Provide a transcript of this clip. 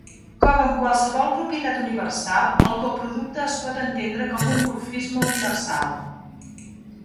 Com amb qualsevol propietat universal, el coproducte es pot entendre com un morfisme universal.